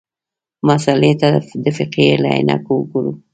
مسألې ته د فقهې له عینکو وګورو.